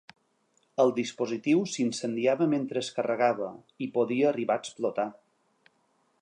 El dispositiu s’incendiava mentre es carregava, i podia arribar a explotar.